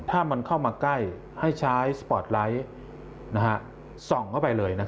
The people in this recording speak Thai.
ถ้ามันเข้ามาใกล้ให้ใช้สปอร์ตไลท์ส่องเข้าไปเลย